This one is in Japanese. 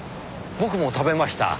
僕も食べました。